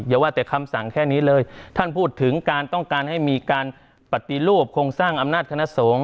อย่าว่าแต่คำสั่งแค่นี้เลยท่านพูดถึงการต้องการให้มีการปฏิรูปโครงสร้างอำนาจคณะสงฆ์